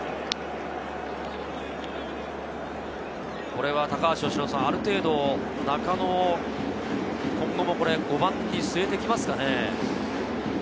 これはある程度、中野を今後も５番に据えてきますかね？